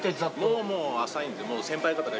もうもう浅いんでもう。